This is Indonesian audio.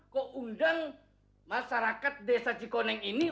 kok undang masyarakat desa cikoneng ini